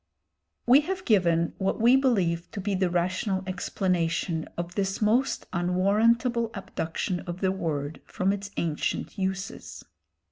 We have given what we believe to be the rational explanation of this most unwarrantable abduction of the word from its ancient uses.